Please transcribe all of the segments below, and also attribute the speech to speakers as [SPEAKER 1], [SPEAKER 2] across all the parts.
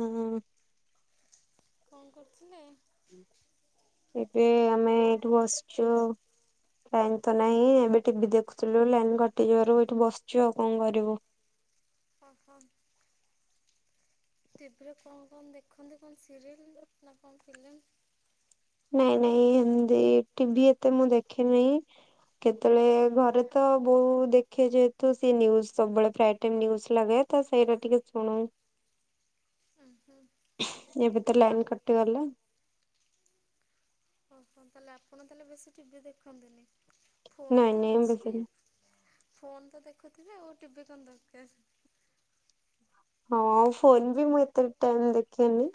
[SPEAKER 1] ହଁ ହୁଁ ହୁଁ
[SPEAKER 2] କଣ କରୁଥିଲେ?
[SPEAKER 1] ଏବେ ଆମେ ଏଇଠୁ ବସିଛୁ। ଲାଇନ୍ ତ ନାହିଁ ଏବେ ଟିଭି ଦେଖୁଥିଲୁ ଲାଇନ କଟିଯିବାରୁ ଏଇଠି ବସିଛୁ ଆଉ କଣ କରିବୁ।
[SPEAKER 2] ହଁ ହଁ। ଟିଭିରେ କଣ କଣ ଦେଖନ୍ତି କଣ ସିରିଏଲ ନା କଣ ଫିଲ୍ମ?
[SPEAKER 1] ନାଇଁ ନାଇଁ ଏମତି ଟିଭି ଏତେ ମୁଁ ଦେଖେନି।
[SPEAKER 2] ହୁଁ।
[SPEAKER 1] କେତେବେଳେ ଘରେ ତ ବୋଉ ଦେଖେ ଯେହେତୁ ସେ ନିୁଜ୍ ସବୁବେଳେ ପ୍ରାୟ ଟାଇମ ନିୁଜ୍ ଲାଗେ। ତ ସେଇଟା ଟିକେ ଶୁଣୁ।
[SPEAKER 2] ହଁ ହଁ।
[SPEAKER 1] ଏବେ ତ ଲାଇନ କଟିଗଲା।
[SPEAKER 2] ତାହଲେ ଆପଣ ତାହେଲେ ବେଶୀ ଟିଭି ଦେଖନ୍ତିନି ଫୋନ
[SPEAKER 1] ନାଇଁ
[SPEAKER 2] ତ
[SPEAKER 1] ନାଇଁ
[SPEAKER 2] ଅଛି।
[SPEAKER 1] ବେଶୀ
[SPEAKER 2] ଫୋନ ତ ଦେଖୁଥିବେ ଆଉ ଟିଭିି କଣ ଦରକାର।
[SPEAKER 1] ହଁ ଆଉ ଫୋନ ବି ମୁଁ ଏତେ ଟାଇ ଦେଖେନି।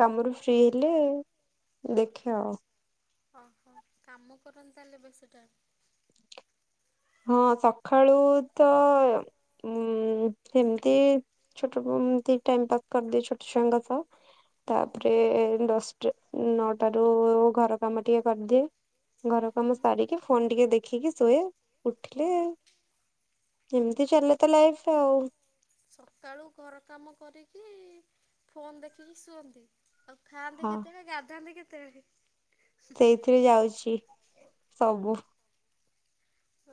[SPEAKER 1] କାମରୁ ଫ୍ରି ହେଲେ ଦେଖିବା ଆଉ।
[SPEAKER 2] ଓହୋ କାମ କରନ୍ତ ତାହେଲେ ବେଶି ଟାଇମ୍?
[SPEAKER 1] ହଁ ସକାଳୁ ତ ଉଁ ସେମିତି ଛୋଟ ଏମତି ଟାଇମ ପାସ୍ କରିଦିଏ ଛୋଟ ଛୁଆଙ୍କ ସହ।
[SPEAKER 2] ହୁଁ
[SPEAKER 1] ତାପରେ ଦଶଟା ନଅଟ ରୁ ଘର କାମ ଟିକେ କରିଦିଏ। ଘର
[SPEAKER 2] ହୁଁ
[SPEAKER 1] କାମ ସାରିକି ଫୋନ ଟିକେ ଦେଖିକି ଶୁଏ। ଉଠିଲେ
[SPEAKER 2] ହୁଁ।
[SPEAKER 1] ଆ ଏମିତି ଚାଲେ ତ ଲାଇଫ ଆଉ।
[SPEAKER 2] ସକାଳୁ ଘର କାମ କରିକି ଫୋନ ଦେଖିକି ଶୁଅନ୍ତି? ଆଉ ଖାଆନ୍ତି
[SPEAKER 1] ହଁ
[SPEAKER 2] କେତେବେଳେ ଗାଧାନ୍ତି କେତେବେଳେ?
[SPEAKER 1] ସେଇଥିରେ ଯାଉଛି ସବୁ।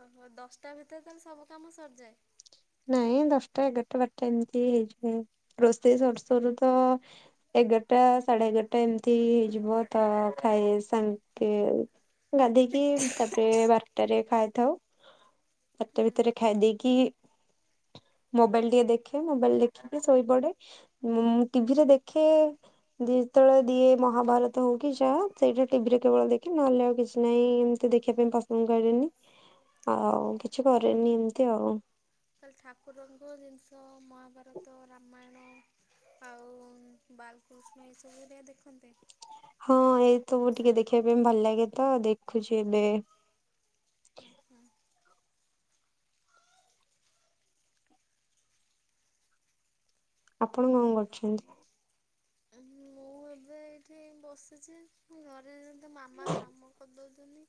[SPEAKER 2] ଓହୋ ଦଶଟା ଭିତରେ ତାଲେ ସବୁ କାମ ସରିଯାଏ?
[SPEAKER 1] ନାଇଁ ଦଶଟା ଏଗାରଟା ବାରଟା ଏମିତି ହେଇଯିବ। ରୋଷେଇ ସରୁ ସରୁ ତ ଏଗାରଟା ସାଢେ ଏଗାରଟା ଏମିତି ହେଇଯିବ ତ ଖାଇ ସାଙ୍ଗେ ଗାଧେଇକି ତାପରେ ବାରଟାରେ ଖାଇଥାଉ। ବାରେଟା
[SPEAKER 2] ହୁଁ
[SPEAKER 1] ଭିତରେ ଖାଇ ଦେଇେଇକି ମୋବାଇଲ ଟିକେ ଦେଖେ ମୋବାଇଲ ଦେଖିକି ଶୋଇପଡେ ଟିଭିରେ ଦେଖେ ଯେତେବେଳେ ଦିଏ ମହାଭାରତ ହଉ କି ଯାହା ସେଇଟା ଟିଭିରେ କେବଳ ଦେଖି ନହେଲେ ଆଉ କିଛି ନାହିଁ ତେ ଦେଖିବା ପାଇଁ ପସନ୍ଦ କରେନି ଆଉ କିଛି କରେନି ଏମିତି ଆଉ।
[SPEAKER 2] ଖାଲି ଠାକୁରଙ୍କ ଜିନିଷ ମହାଭାରତ ରାମାୟଣ ଆଉ ବାଲକୃଷ୍ଣ ଏସବୁ ହେରିକା ଦେଖନ୍ତି।
[SPEAKER 1] ହଁ ଏ ତ ମୁ ଟିକେ ଦେଖିବା ପାଇଁ ଭଲ ଲାଗେ ତ ଦେଖୁଛି ଏବେ।
[SPEAKER 2] ହୁଁ ହୁଁ।
[SPEAKER 1] ଆପଣ କଣ କରୁଛନ୍ତି?
[SPEAKER 2] ମୁଁ ଏବେ ଏଇଠି ବସିଛି ଘରେ ମାମା କାମ କରିଦଉଛନ୍ତି।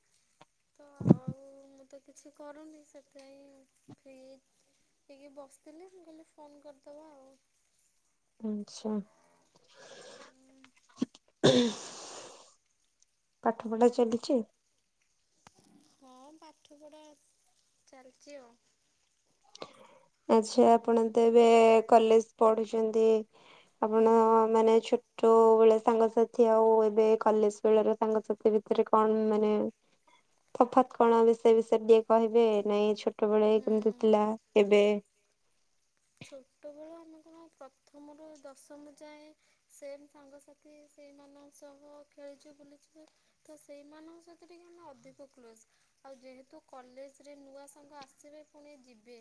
[SPEAKER 2] ତ ଆଉ ମୁଁ ତ କିଛି କରୁନି। ସେଥିପାଇଁ ଫ୍ରିଜ୍ ଟିକି ବସିଥିଲେ ମୁଁ କହିଲି ଫୋନ୍ କରିଦେବା ଆଉ।
[SPEAKER 1] ଆଛା। [unintelligible] ପାଠ ପଢା ଚାଲିଛି?
[SPEAKER 2] ହଁ ପାଠପଢ଼ା ଚାଲିଛି ଆଉ।
[SPEAKER 1] ଆଛା ଆପଣ ତ ଏବେ କଲେଜ ପଢୁଛନ୍ତି? ଆପଣ
[SPEAKER 2] ହୁଁ
[SPEAKER 1] ମାନେ ଛ ଟ ବେଳେ ସାଙ୍ଗସାଥି ଆଉ ଏବେ କଲେଜ ବେଳ ର ସାଙ୍ଗସାଥି ଭିତରେ କଣ ମାନେ ତଫାତ୍ କଣ ବିଷୟ ବିଷୟରେ ଟିକେ କହିବେ ନାଇଁ ଛୋଟବେଳେ କେମିତି
[SPEAKER 2] ହୁଁ
[SPEAKER 1] ଥିଲା ଏବେ
[SPEAKER 2] ଛୋଟବେଳୁ ଆମେ କଣ ପ୍ରଥମରୁ ଦଶମ ଯାଏ। ସେମ ସାଙ୍ଗସାଥି ସେଇମାନଙ୍କ ସହ ଖେଳିଛୁ ବୁଲିଛୁ। ତ ସେଇମାନଙ୍କ ସହିତ ଟିକେ ଆମେ ଅଧିକ କ୍ଲୋଜ। ଆଉ ଯେହେତୁ କଲେଜ ରେ ନୂଆ ସାଙ୍ଗ ଆସିବେ ପୁଣି ଯିବେ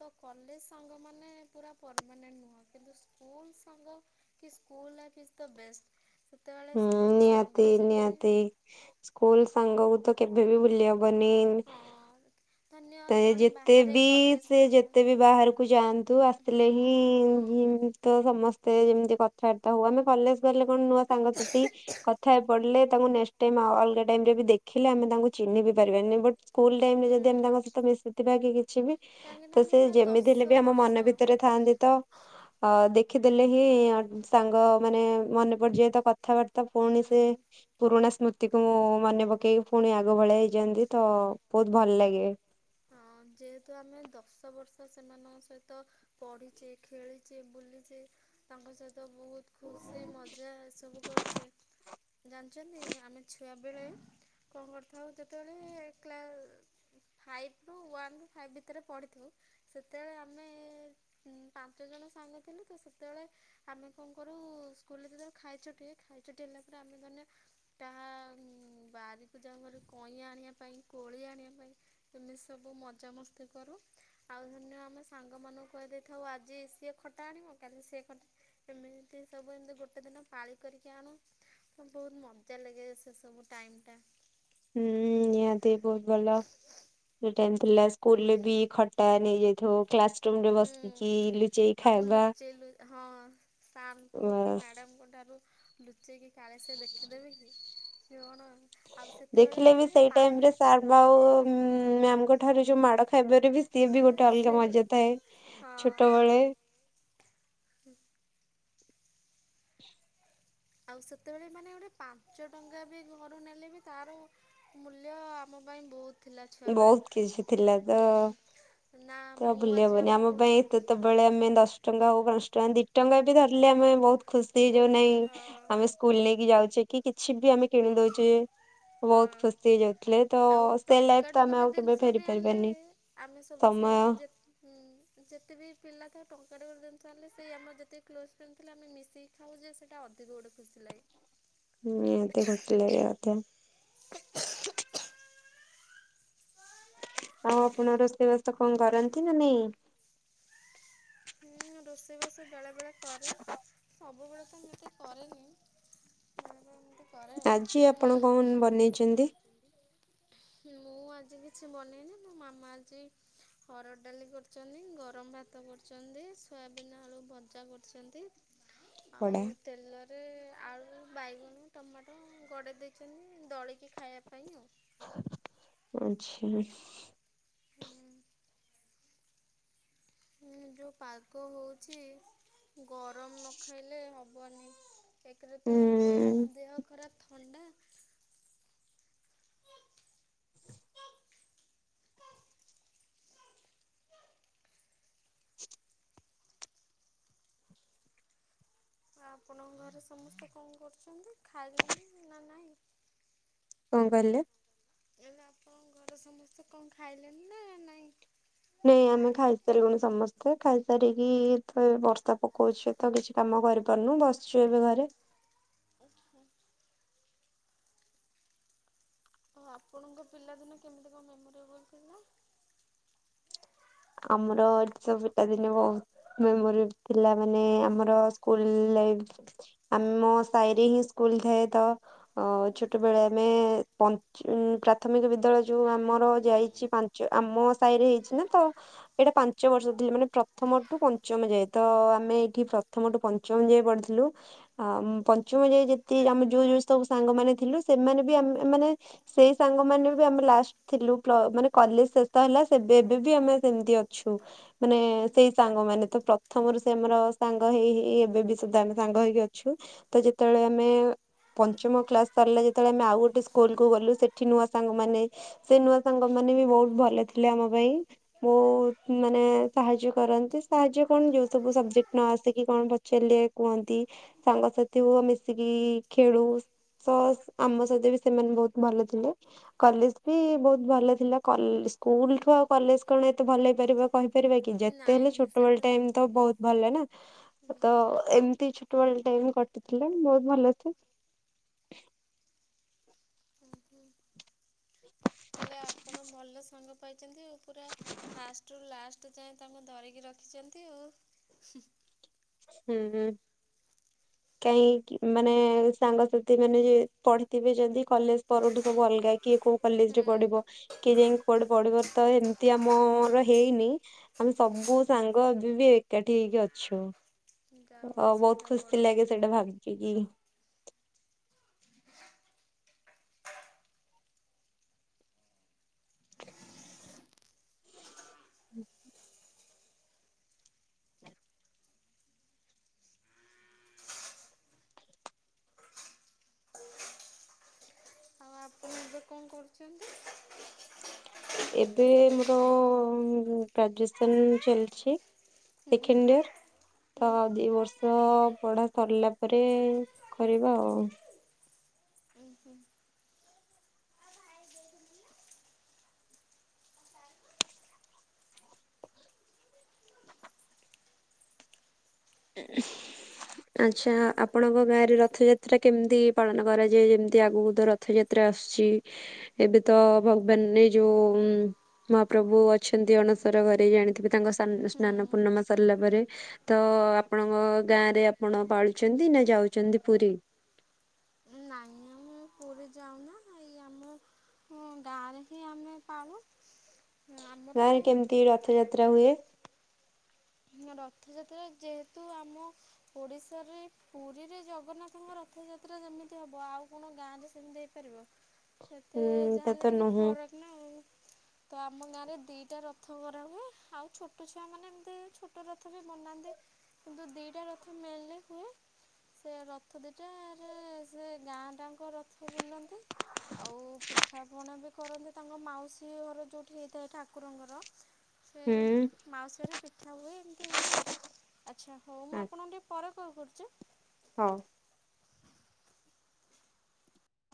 [SPEAKER 2] ତ କଲେଜ ସାଙ୍ଗ ମାନେ ପୁରା ପରମାନେଣ୍ଟ ନୁହଁ କିନ୍ତୁ ସ୍କୁଲ ସାଙ୍ଗ କି ସ୍କୁଲ ଲାଇଫ ଇ୍ ତ ବେଷ୍ଟ ସେତେବେଳେ
[SPEAKER 1] ହୁଁ
[SPEAKER 2] ସ୍କୁଲ
[SPEAKER 1] ନିହାତି
[SPEAKER 2] ସାଙ୍ଗ ଯେମିତି
[SPEAKER 1] [unintelligible] ସ୍କୁଲ ସାଙ୍ଗକୁ ତ କେବେ ବି ଭୁଲି ହବ ବନି
[SPEAKER 2] ହଁ ଧନ୍ୟ
[SPEAKER 1] ସେଜେତେ ବି
[SPEAKER 2] ଜଣେ
[SPEAKER 1] ଯେତେ
[SPEAKER 2] ବାହାରେ
[SPEAKER 1] ବି
[SPEAKER 2] କଲେଜ
[SPEAKER 1] ସେ
[SPEAKER 2] ଗଲା
[SPEAKER 1] ଯେତେ ବି ବାହାରକୁ ଯାଆନ୍ତୁ
[SPEAKER 2] ହୁଁ
[SPEAKER 1] ଆସିଲେ ହିଁ
[SPEAKER 2] ହୁଁ
[SPEAKER 1] ତ ସମସ୍ତେ ଯେମିତି କଥା [unintelligible] ଆମେ କଲେଜ ଗଲେ କଣ ନୂଆ ସାଙ୍ଗସାଥି କଥା ପଢିଲେ ତାଙ୍କୁ ନେକଷ୍ଟ ଟାଇମ ଅଲଗା ଟାଇରେ ବି ଦେଖିଲେ ଆମେ ତାଙ୍କୁ ଚିହ୍ନି ପାରିବାନି ବଟ୍ ସ୍କୁଲ ଟାଇମ ରେ ଯଦି ଆମେ ତାଙ୍କ
[SPEAKER 2] ହୁଁ
[SPEAKER 1] ସହିତ ମିଶିଥିବା କି କିଛି ବି
[SPEAKER 2] କାହିଁକିନା
[SPEAKER 1] ତ
[SPEAKER 2] ଆମେ
[SPEAKER 1] ସେ
[SPEAKER 2] ପୁରା
[SPEAKER 1] ଯେମିତି ହେଲେ
[SPEAKER 2] ଦଶ
[SPEAKER 1] ବି ଆମ
[SPEAKER 2] ବର୍ଷ
[SPEAKER 1] ମନ ଭିତରେ ଥାଆନ୍ତି ତ ଅ ଦେଖିଦେଲେ ହିଁ ସାଙ୍ଗ ମାନେ ମନେ ପଡି ଯାଏ ତ ପା କଥାବାର୍ତ୍ତା ପୁଣି
[SPEAKER 2] ହୁଁ
[SPEAKER 1] ସେ ପୁରୁଣା ସ୍ମୃତିକୁ ମୁଁ ମନେ ପକେଇକି ପୁଣି ଆଗ ଭଳିଆ ହେଇଯାଆନ୍ତି ତ ବହୁତ ଭଲ ଲାଗେ।
[SPEAKER 2] ହଁ ଯେହେତୁ ଆମେ ଦଶ ବର୍ଷ ସେମାନଙ୍କ ସହିତ ପଢିଚେ଼ ଖେଳିଚେ ବୁଲିଚେ ତାଙ୍କ ସହିତ ବହୁତ ଖୁସି ମଜା ଏ ସବୁ କରିଛେ ଜାଣିଛନ୍ତି ଆମେ ଛୁଆବେେଳେ କଣ କରିଥାଉ ଯେତେବେଳେ କ୍ଲା ଫାଇଭ୍ ରୁ ୱାାନ ରୁ ଫାଇଭ୍ ଭିତରେ ପଢ଼ିଥିବ ସେତେବେଳେ ଆମେ ପାଞ୍ଚ ଜଣ ସାଙ୍ଗ ଥିଲୁ ତ ସେତେବେଳେ ଆମେ କଣ କରୁ ସ୍କୁଲରେ ଖାଇଚଟି ହୁଏ ଖାଇ ଚଟି ହେଲା ପରେ ଆମେ ମାନେ କାହା ବାରିକୁ ଯାଉ କଇଁଆ ଆଣିବା ପାଇଁ କୋଳି ଆଣିବା ପାଇଁ ତମି ସବୁ ମଜ ମସ୍ତି କରୁ। ଆଉ ଧନ୍ୟ ଆମେ ସାଙ୍ଗ ମାନଙ୍କୁ କହିଦେଇଥାଉ ଆଜି ସିଏ ଖଟା ଆଣିବ କାଲି ସିଏ ଖ ସେମିତି ସବୁ ଏମିତି ଗୋଟେ ଦିନ ପାଳି କରିକି ଆଣୁ। ବହୁତ ମଜା ଲାଗେ ସେ ସବୁ ଟାଇମ ଟା।
[SPEAKER 1] ହୁଁ ନିହାତି ବହୁତ ଭଲ ଥିଲା ସ୍କୁଲ ରେ ବି ଖ ଟା ନେଇଯାଇଥାଉ କ୍ଲାସ ରୁମ ରେ
[SPEAKER 2] ହୁଁ
[SPEAKER 1] ବସିକି ଲୁଚେଇ
[SPEAKER 2] ଆଉ
[SPEAKER 1] ଖାଇବା।
[SPEAKER 2] ଲୁଚେଇ ହଁ ସାର କୁ କି
[SPEAKER 1] ବାସ୍
[SPEAKER 2] ମ୍ୟାଡାମ କ ରୁ ଲୁଚେଇକି କାଳେ ସେ ଦେଖିଦେବେ କିି ସେ କଣ? ଆଉ ସେତେବେଳେ
[SPEAKER 1] ଦେଖିଲେ ବି
[SPEAKER 2] ମାନେ
[SPEAKER 1] ସେଇ
[SPEAKER 2] ପା
[SPEAKER 1] ଟାଇମ ରେ ସାର୍ ବାଉ ମ୍ୟାମଙ୍କ ଠାରୁ ଯୋଉ ମାଡ ଖାଇବାରେ ବି ଇଏ ବି ଗୋଟେ ଅଲଗା
[SPEAKER 2] ସେ
[SPEAKER 1] ମଜା ଥାଏ ଛୋଟବେଳେ।
[SPEAKER 2] ହୁଁ। ଆଉ ସେତେବେଳେ ବି ମାନେ ଗୋଟେ ପାଞ୍ଚ ଟଙ୍କା ବି ଘରୁ ନେଲେ ବି ତାର ମୂଲ୍ୟ ଆମ ପାଇଁ ବହୁତ ଥିଲା ଛୁଆ
[SPEAKER 1] ବହୁତ କିଛି ଥିଲା
[SPEAKER 2] ବେଳେ
[SPEAKER 1] ତ
[SPEAKER 2] ନାଁ
[SPEAKER 1] ତ
[SPEAKER 2] ମୁଁ
[SPEAKER 1] ଭୁଲି
[SPEAKER 2] ଆଜି
[SPEAKER 1] ହବନି
[SPEAKER 2] ଆମ ଘରୁ
[SPEAKER 1] ପାଇଁ ସେତେବେଳେ ଆମେ ଦଶ ଟଙ୍କା ହଉ ପାଞ୍ଚ ଟଙ୍କା ଦି ଟଙ୍କା ଏତିକି ଧରିଲେ ଆମେ ବହୁତ ଖୁସି ହେଇଯାଉ ନାଇଁ
[SPEAKER 2] ବହୁତ ହଁ
[SPEAKER 1] ଆମେ ସ ସ୍କୁଲ୍ ନେଇକି ଯାଉଛେ କି କିଛି ବି ଆମେ କିଣି ଦଉଛେ।
[SPEAKER 2] ହଁ
[SPEAKER 1] ବହୁତ ଖୁସି ହେଇଯାଉଥିଲେ ତ
[SPEAKER 2] ଆଉ
[SPEAKER 1] ସେ ଲାଇଫ
[SPEAKER 2] ଟଙ୍କା
[SPEAKER 1] ତ
[SPEAKER 2] ଟେ
[SPEAKER 1] ଆମେ
[SPEAKER 2] ଗୋଟେ
[SPEAKER 1] ଆଉ କେବେ
[SPEAKER 2] ଜିନିଷ
[SPEAKER 1] ଫେରି
[SPEAKER 2] ବି ଆଣିଲେ
[SPEAKER 1] ପାରିବାନି
[SPEAKER 2] ଆମେ ସବୁ ସେଇ
[SPEAKER 1] ସମୟ
[SPEAKER 2] ଯେ ହୁଁ ଯେତେ ବିି ପିଲା ଥାଉ ଟଙ୍କାଟେରେ ଗୋଟେ ଜିନିଷ ଆଣିଲେ ସେଇ ଆମର ଯେତେ କ୍ଲୋଜ୍ ଫ୍ରେଣ୍ଡ୍ ଥିଲେ ଆମେ ମିଶି ଖାଉ ଯେ ସେଇଟା ଅଧିକ ଗୋଟେ ଖୁସି ଲାଗେ।
[SPEAKER 1] ହୁଁ ଏତେ ଖୁସି ଲାଗିବା କଥା ନୁ ଆଉ ଆପଣ ରୋଷେଇ ବାସ କଣ କରନ୍ତି ନାଁ ନାଇଁ?
[SPEAKER 2] ହୁଁ ରୋଷେଇ ବାସ ବେଳେ ବେଳେ କରେ ସବୁବେଳେ ତ ମୁଁ ଏତେ କରେନି ବେଳେ ବେଳେ ମୁଁ ଏତେ
[SPEAKER 1] ଆଜି ଆପଣ କଣ ବ ବନେଇଛନ୍ତି?
[SPEAKER 2] ମୁଁ ଆଜି କିଛି ବନେଇନି ମୋ ମାମା ଆଜି ହରଡ଼ ଡାଲି କରିଛନ୍ତି ଗରମ ଭାତ କରିଛନ୍ତି ସୋୟାବିିନ ଆଳୁ ଭଜା କରିଛନ୍ତି ଆଉ
[SPEAKER 1] ବଡା
[SPEAKER 2] ତେଲରେ ଆଳୁ ବାଇଗଣ ଟମାଟୋ ଗଡ଼େଇ ଦେଇଛନ୍ତି ଦଳିକି ଖାଇବା ପାଇଁ ଆଉ।
[SPEAKER 1] ଆଚ୍ଛା।
[SPEAKER 2] ହୁଁ। ହୁଁ ଯୋଉ ପାଗ ହଉଛି ଗରମ ନ ଖାଇଲେ ହବନି। ଏକ ରେ ତ ଦେହ ଖରାପ ଥଣ୍ଡା। ଆପଣଙ୍କ ଘରେ ସମସ୍ତେ କଣ କରୁଛନ୍ତି ଖାଇଲେଣି ନା ନାହିଁ?
[SPEAKER 1] କଣ କହିଲେ?
[SPEAKER 2] ହେଲେ ଆପଣଙ୍କ ଘରେ ସମସ୍ତେ କଣ ଖାଇଲେଣି ନାଁ ନାଇଁ?
[SPEAKER 1] ନାଇଁ ଆମେ ଖାଇସାରିଲୁଣି ସମସ୍ତେ ଖାଇସାରିକି ଏଇତ ବର୍ଷା ପକଉଛି ତ କିଛି କାମ କରିପାରୁନୁ ବସିଛୁ ଏବେ ଘରେ।
[SPEAKER 2] ଓ ହୋ। ଆଉ ଆପଣଙ୍କ ପିଲାଦିନ କେମିତି କଣ ମେମୋରିବଲ୍ ଥିଲା?
[SPEAKER 1] ଆମର ଏଇଠି ତ ପିଲା ଦିନେ ବହୁତ ମେମୋରି ଥିଲା ମାନେ ଆମର ସ୍କୁଲ୍ ଲାଇଫ୍ ଆମ ସାହିରେ ହିଁ ସ୍କୁଲ୍ ଥାଏ ତ ଅ
[SPEAKER 2] ହୁଁ
[SPEAKER 1] ଛୋଟ ବେଳେ ଆମେ ପଞ୍ଚ ଉଁ ପ୍ରାଥମିକ ବିଦ୍ୟାଳୟ ଯୋଉ ଆମର
[SPEAKER 2] ହୁଁ
[SPEAKER 1] ଯାଇଛି ପାଞ୍ଚ ଆମ ସାହିରେ ହେଇଛି ନା ତ ଏଇଟା ପାଞ୍ଚ ବର୍ଷ ଥିଲେ ମାନେ ପ୍ରଥମ ଠୁ ପଞ୍ଚମ ଯାଏ ତ ଆମେ ଏଇଠି ପ୍ରଥମ ଠୁ ପଞ୍ଚମ ଯାଏ ପଢିଥିଲୁ। ଆଉଁ ପଞ୍ଚମ ଯାଏ ଯେତିକି ଆମେ ଯୋଉ ଯୋଉ ସବୁ ସାଙ୍ଗମାନେ ଥିଲୁ ସେମାନେ ବି ଆମେ ମାନେ ସେଇ ସାଙ୍ଗ ମାନେ ବି ଆମେ ଲାଷ୍ଟ୍ ଥିଲୁ ପ୍ଲ ମାନେ କଲେଜ୍ ଶେଷ ହେଲା ଏବେ ବି ଆମେ ସେମିତି ଅଛୁ। ମାନେ
[SPEAKER 2] ହୁଁ
[SPEAKER 1] ସେଇ ସାଙ୍ଗ ମାନେ ତ ପ୍ରଥମରୁ ସେ ଆମର ସାଙ୍ଗ ହେଇ ହେଇ ଏବେ ବି ସୁଧା ଆମେ ସାଙ୍ଗ ହେଇକି ଅଛୁ। ତ ଯେତେବେଳେ ଆମେ ପଞ୍ଚମ କ୍ଲାସ୍ ସରିଲା ଯେତବେଳେ ଆମେ ଆଉ ଗୋଟେ ସ୍କୁଲ୍ କୁୁ ଗଲୁ ସେଠି ନୂଆ ସାଙ୍ଗମାନେ ସେ ନୂଆ ସାଙ୍ଗ ମାନେ ବି ବହୁତ୍ ଭଲ ଥିଲେ ଆମ ପାଇଁ ବହୁତ୍ ମାନେ ସାହାଯ୍ୟ କରନ୍ତି ସାହାଯ୍ୟ କଣ ଯୋଉ ସବୁ ସବଜେକ୍ଟ ନ ଆସିକି କଣ [unintelligible] କୁହନ୍ତି ସାଙ୍ଗସାଥି ହୁଅ ମିଶିକି ଖେଳୁ [unintelligible] ଆମ ସହିତ ବି ସେମାନେ ବହୁତ ଭଲ ଥିଲେ। କଲେଜ୍ ବି ବହୁତ୍ ଭଲ ଥିଲା ସ୍କୁଲ୍ ଠୁ ଆଉ କଲେଜ୍ କଣ ଏତେ ଭଲ ହେଇପାରିବ କହିପାରିବା କି ଯେତେ ହେଲେ
[SPEAKER 2] ନାଇଁ
[SPEAKER 1] ଛୋଟବେଳ
[SPEAKER 2] ସେଟା
[SPEAKER 1] ଟାଇମ୍ ତ ବହୁତ୍ ଭଲ ନା। ତ
[SPEAKER 2] ହୁଁ
[SPEAKER 1] ଏମିତି ଛୋଟବେଳ ଟାଇମ୍ କଟିଥିଲା ବହୁତ୍ ଭଲ ସେ।
[SPEAKER 2] [unintelligible] ତାହେଲେ ଆପଣ ଭଲ ସାଙ୍ଗ ପାଇଛନ୍ତି ପୁରା ଫାଷ୍ଟରୁୁ ଲା [unintelligible] ତାଙ୍କୁ ଧରେଇକି ରଖିଛନ୍ତି ଆଉ।
[SPEAKER 1] ହୁଁ-ହୁଁ। କାହିଁକି ମାନେ ସାଙ୍ଗସାଥି ମାନେ ପଢିଥିବେ ଯଦି କଲେଜ୍ ପରଠୁ ସବୁ ଅଲଗା ହେ କିଏ କୋଉ କଲେଜ୍ ରେ ପଢିବ
[SPEAKER 2] ହୁଁ
[SPEAKER 1] କିଏ ଯାଇକି କୁଆଡ଼େ ପଢିବ ତ ଏମିତି ଆମର ହେଇନି ଆମେ ସବୁ ସାଙ୍ଗ ବି ଏକାଠି ହେଇକି ଅଛୁ।
[SPEAKER 2] ଯା
[SPEAKER 1] ଅ
[SPEAKER 2] ହଉ
[SPEAKER 1] ବହୁତ
[SPEAKER 2] ସେଇଟା
[SPEAKER 1] ଖୁସି
[SPEAKER 2] ବଡ଼
[SPEAKER 1] ଲାଗେ
[SPEAKER 2] କଥା।
[SPEAKER 1] ସେଇଟା ଭାବି କି।
[SPEAKER 2] ଆଉ ଆପଣ ଏବେ କଣ କରୁଚନ୍ତି?
[SPEAKER 1] ଏବେ ମୋର ଗ୍ରାଜୁଏସନ୍ ଚାଲିଛି।
[SPEAKER 2] ହୁଁ
[SPEAKER 1] ସେକେଣ୍ଡଡିୟର୍। ତ
[SPEAKER 2] ହୁଁ
[SPEAKER 1] ଆଉ ଦି ବର୍ଷ ପଢା ସରିଲା ପରେ କରିବା ଆଉ।
[SPEAKER 2] ହୁଁ-ହୁଁ।
[SPEAKER 1] ଆଚ୍ଛା ଆପଣଙ୍କ ଗାଁରେ ରଥଯାତ୍ରା କେମିତି ପାଳନ କରାଯାଏ ଯେମିତି ଆଗକୁ ଦର ରଥଯାତ୍ରା ଆସୁଚି ଏବେ ତ ଭଗବାନ ଏ ଯୋଉ ମହାପ୍ରଭୁ ଅଛନ୍ତି ଅଣସର ଘରେ ଜାଣିଥିବେ ତାଙ୍କ ସାନ ସ୍ନାନ ପୂର୍ଣ୍ଣମା
[SPEAKER 2] ହୁଁ
[SPEAKER 1] ସରିଲା ପରେ ତ ଆପଣଙ୍କ ଗାଁ ରେ ଆପଣ ପାଳୁଚନ୍ତି ନା ଯାଉଛନ୍ତି ପୁରୀ?
[SPEAKER 2] ନା-ନା ମୁ ପୁରୀ ଯାଉନା ଗାଁ ରେ ହିଁ ଆମେ ପାଳୁ।
[SPEAKER 1] ଗାଁରେ
[SPEAKER 2] ଆମର
[SPEAKER 1] କେମିତି ରଥଯାତ୍ରା ହୁଏ?
[SPEAKER 2] ରଥଯାତ୍ରା ଯେହେତୁ ଆମ ଓଡ଼ିଶାରେ ପୁରୀରେ ଜଗନ୍ନାଥଙ୍କ ରଥଯାତ୍ରା ଯେମିତି ହେବ ଆଉ କଣ ଗାଁରେ ସେମିତି ହେଇପାରିବ। ସେତେ
[SPEAKER 1] ହୁଁ
[SPEAKER 2] ଯାହା
[SPEAKER 1] ଏଟା
[SPEAKER 2] ହେେଲେ
[SPEAKER 1] ତ
[SPEAKER 2] ଟିକେ
[SPEAKER 1] ନୁହୁଁ
[SPEAKER 2] ଫରକ୍ ତ ଆମ ଗାଁ ରେ ଦିଟା ରଥ କରାହୁଏ, ଆଉ ଛୋଟ ଛୁଆ ମାନେ ଏମିତି ଛୋଟ ରଥ ବି ବନାନ୍ତି କିନ୍ତୁ ଦିଇଟା ରଥ ମେନଲି ହୁଏ। ସେ ରଥ ଦୁଇଟାରେ ସେ ଗାଁ ଟାଙ୍କ ରଥ ବୁଲନ୍ତି। ଆଉ ପିଠାପଣା ବି କରନ୍ତି ତାଙ୍କ ମାଉସୀ ଘର ଯେଉଠି ହେଇଥାଏ ଠାକୁରଙ୍କର ସେ
[SPEAKER 1] ହୁଁ
[SPEAKER 2] ମାଉସୀଆରେ ପିଠା ହୁଏ ଏମିତି ହୁଏ ଆଉ ଆଚ୍ଛା ହଉ ମୁଁ ଆପଣଙ୍କ ଟିକେ ପ [unintelligible] କଲ୍ କରୁଚି।
[SPEAKER 1] ହଁ।